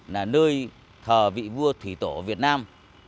là nơi thờ vị vua thủy tổ việt nam